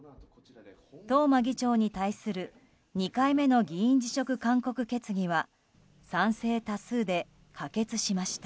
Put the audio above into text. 東間議長に対する２回目の議員辞職勧告決議は賛成多数で可決しました。